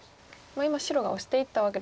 今白がオシていったわけですが。